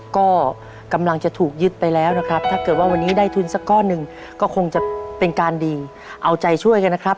ก็กำลังจะถูกยึดไปแล้วนะครับถ้าเกิดว่าวันนี้ได้ทุนสักก้อนหนึ่งก็คงจะเป็นการดีเอาใจช่วยกันนะครับ